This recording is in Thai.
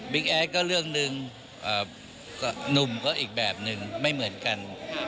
แอดก็เรื่องหนึ่งหนุ่มก็อีกแบบนึงไม่เหมือนกัน